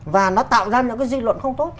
và nó tạo ra những cái dư luận không tốt